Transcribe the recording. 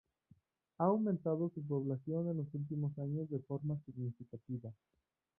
Ha aumentado su población en los últimos años de forma significativa.